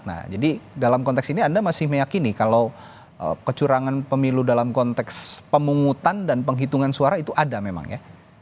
nah jadi dalam konteks ini anda masih meyakini kalau kecurangan pemilu dalam konteks pemungutan dan penghitungan suara itu ada memang ya